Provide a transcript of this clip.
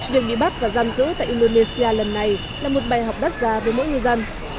việc bị bắt và giam giữ tại indonesia lần này là một bài học đắt ra với mỗi ngư dân